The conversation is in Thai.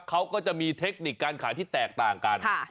เขาก็จะมีเทคนิคการขายที่แตกต่างกัน